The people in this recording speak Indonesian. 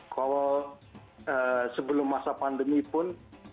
kalau sebelum masa pandemi pun